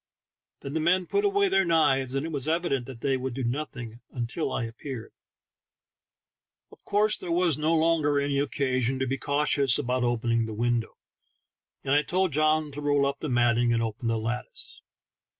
Then the men put away their knives, and it was evident that they would do nothing till I appeared. Of course there was no longer any occasion to be cautious about opening the window, and I told John to roll up the matting and open the lattice.